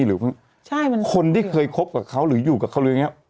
หรือคนที่เคยคบกับเขาหรืออยู่กับเขา